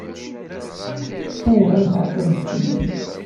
Ayɣer i tɛeṭṭlemt fell-i?